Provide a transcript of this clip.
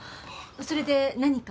それで何か？